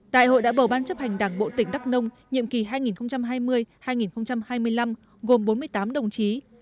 đại hội đã bầu ban chấp hành đảng bộ tỉnh đắk nông nhiệm kỳ hai nghìn hai mươi hai nghìn hai mươi năm gồm bốn mươi tám đồng chí